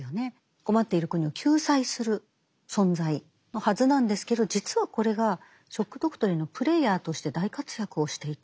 困っている国を救済する存在のはずなんですけど実はこれが「ショック・ドクトリン」のプレイヤーとして大活躍をしていた。